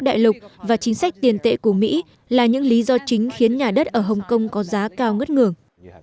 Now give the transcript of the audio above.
đại lục và chính sách tiền tệ của mỹ là những lý do chính khiến nhà đất ở hồng kông có giá cao ngất ngường